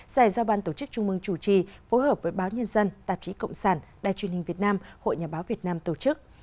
giải do ban tổ chức trung mương chủ trì phối hợp với báo nhân dân tạp chí cộng sản đài truyền hình việt nam hội nhà báo việt nam tổ chức